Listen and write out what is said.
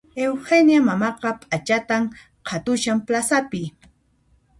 Eugenia mamaqa p'achatan qhatushan plazapi